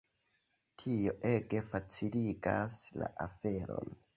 Tio ege faciligas la aferon.